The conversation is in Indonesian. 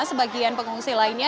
sebagian pengungsi lainnya